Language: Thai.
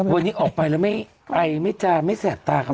วันนี้ออกไปแล้วไม่ไอไม่จาไม่แสบตาครับ